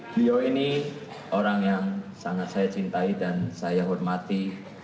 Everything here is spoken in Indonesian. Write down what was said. beliau ini orang yang sangat saya cintai dan saya hormati